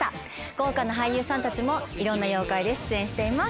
豪華な俳優さんたちもいろんな妖怪で出演しています。